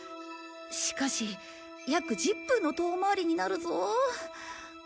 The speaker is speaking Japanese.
しかし約１０分の遠回りになるぞ。